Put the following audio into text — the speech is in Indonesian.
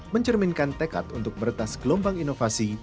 mencerminkan tekad untuk meretas gelombang inovasi